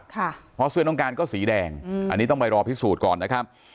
เพราะเสื้อน้องการก็สีแดงอันนี้ต้องไปรอพิสูจน์ก่อนนะครับ